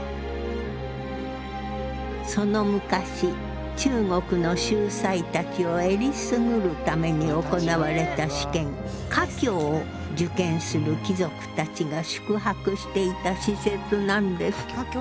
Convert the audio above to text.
その昔中国の秀才たちをえりすぐるために行われた試験科挙を受験する貴族たちが宿泊していた施設なんですって。